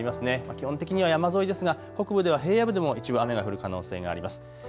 基本的には山沿いですが北部では平野部でも一部、雨が降る可能性があります。